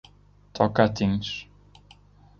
Tocantins